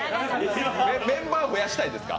メンバー、増やしたいですか？